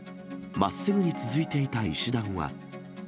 まっすぐに続いていた石段は。